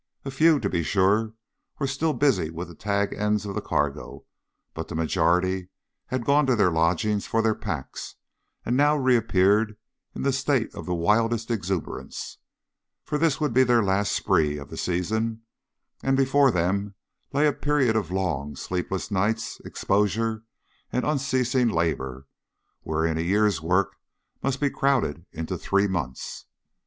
A few, to be sure, were still busy with the tag ends of the cargo, but the majority had gone to their lodgings for their packs, and now reappeared in a state of the wildest exuberance; for this would be their last spree of the season, and before them lay a period of long, sleepless nights, exposure, and unceasing labor, wherein a year's work must be crowded into three months.